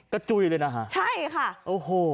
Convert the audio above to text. จุยเลยนะฮะใช่ค่ะโอ้โห